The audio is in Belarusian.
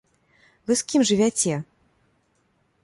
Вы з кім жывяце?